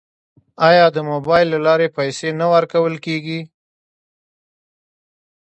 آیا د موبایل له لارې پیسې نه ورکول کیږي؟